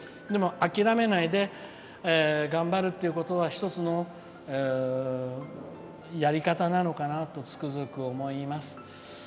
諦めないで頑張るっていうことは一つのやり方なのかなとつくづく思います。